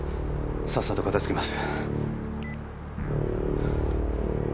さっさと片付けます。